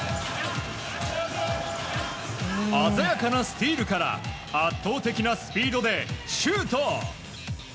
鮮やかなスティールから、圧倒的なスピードでシュート。